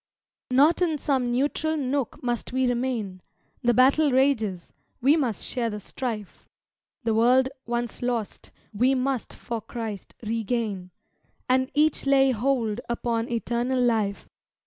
_" Not in some neutral nook must we remain; The battle rages, we must share the strife; The world, once lost, we must for Christ regain, And each lay hold upon eternal life.